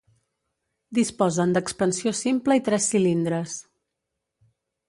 Disposen d’expansió simple i tres cilindres.